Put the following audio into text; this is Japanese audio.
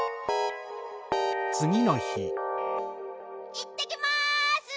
いってきます！